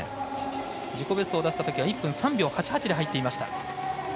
自己ベストを出したときは１分３秒８８で入ってきました。